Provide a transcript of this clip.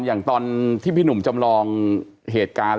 อย่างตอนที่พี่หนุ่มจำลองเหตุการณ์